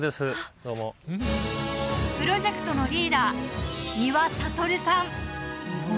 どうもプロジェクトのリーダー三輪悟さん